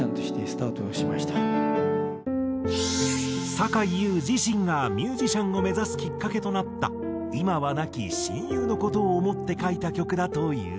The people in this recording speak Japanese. さかいゆう自身がミュージシャンを目指すきっかけとなった今は亡き親友の事を想って書いた曲だという。